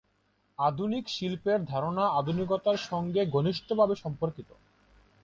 আধুনিক শিল্পের ধারণা আধুনিকতার সঙ্গে ঘনিষ্ঠভাবে সম্পর্কিত।